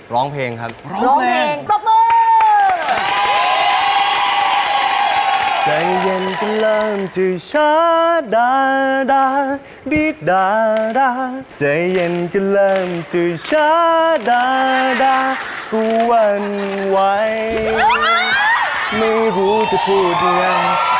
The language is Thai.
ร้องเพลงครับร้องเพลงปรบมือ